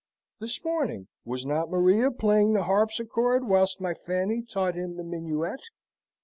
This morning, was not Maria playing the harpsichord whilst my Fanny taught him the minuet?